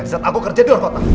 di saat aku kerja di orang kota